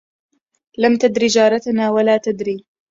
لم تدر جارتنا ولا تدري